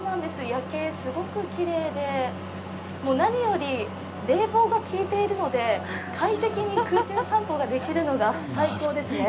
夜景、すごくきれいで何より冷房が効いているので快適に空中散歩ができるのが最高ですね。